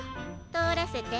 とおらせて。